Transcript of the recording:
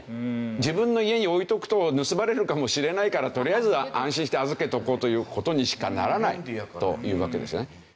自分の家に置いておくと盗まれるかもしれないからとりあえず安心して預けておこうという事にしかならないというわけですね。